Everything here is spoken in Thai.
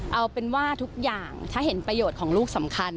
เอาเป็นว่าทุกอย่างถ้าเห็นประโยชน์ของลูกสำคัญ